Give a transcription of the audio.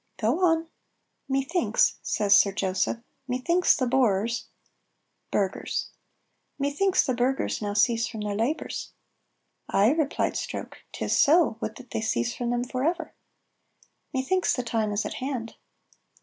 ("Go on.") "Methinks," says Sir Joseph, "methinks the borers " ("Burghers.") "Methinks the burghers now cease from their labors." "Ay," replied Stroke, "'tis so, would that they ceased from them forever!" "Methinks the time is at hand."